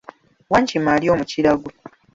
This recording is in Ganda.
Wankima alya omukira gwe